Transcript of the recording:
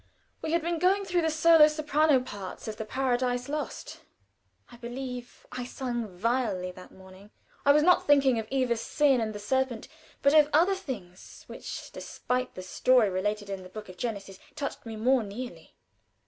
We had been going through the solo soprano parts of the "Paradise Lost." I believe I sung vilely that morning. I was not thinking of Eva's sin and the serpent, but of other things, which, despite the story related in the Book of Genesis, touched me more nearly.